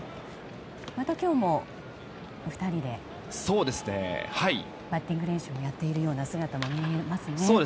また今日もお二人でバッティング練習をやっている姿も見えますね。